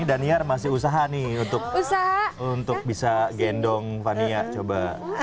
dan niar masih usaha nih untuk bisa gendong fania coba